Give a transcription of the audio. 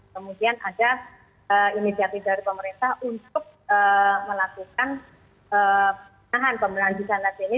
kemudian ada inisiatif dari pemerintah untuk melakukan penahan pemeranjutan latih ini